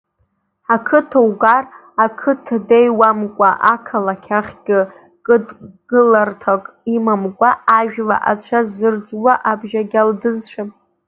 Ақыҭа угар ақыҭа деиуамкәа, ақалақь ахьгьы хыдкыларҭак имамкәа, ажәла ацәа зырӡуа абжьагьалдызцәа?